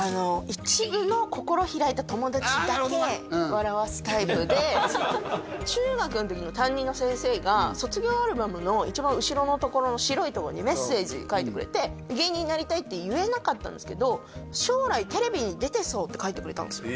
一部の心開いた友達だけ笑わすタイプで中学の時の担任の先生が卒業アルバムの一番後ろのところの白いとこにメッセージ書いてくれて芸人になりたいって言えなかったんですけどって書いてくれたんですよ